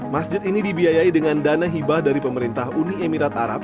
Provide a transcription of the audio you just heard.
masjid ini dibiayai dengan dana hibah dari pemerintah uni emirat arab